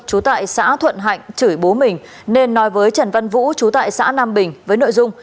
trú tại xã thuận hạnh chửi bố mình nên nói với trần văn vũ chú tại xã nam bình với nội dung